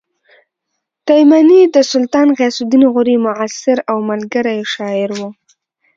تایمني د سلطان غیاث الدین غوري معاصر او ملګری شاعر و